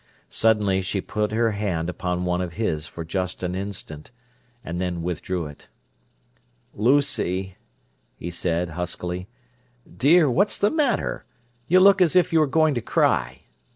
Suddenly she put her hand upon one of his for just an instant, and then withdrew it. "Lucy!" he said huskily. "Dear, what's the matter? You look as if you were going to cry.